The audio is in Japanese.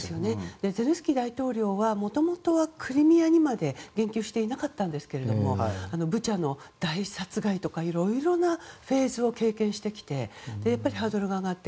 ゼレンスキー大統領はもともとはクリミアにまで言及していませんでしたがブチャの大殺害とかいろいろなフェーズを経験してきてやっぱりハードルが上がって。